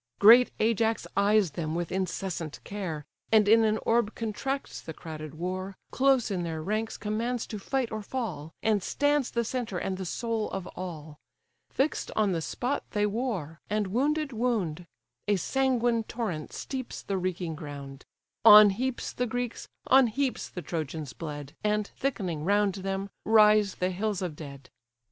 Great Ajax eyes them with incessant care, And in an orb contracts the crowded war, Close in their ranks commands to fight or fall, And stands the centre and the soul of all: Fix'd on the spot they war, and wounded, wound; A sanguine torrent steeps the reeking ground: On heaps the Greeks, on heaps the Trojans bled, And, thickening round them, rise the hills of dead.